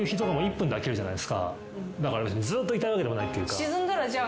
だからずっといたいわけでもないっていうか。